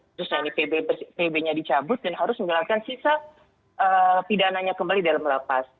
khususnya ini pb nya dicabut dan harus menjalankan sisa pidananya kembali dalam lapas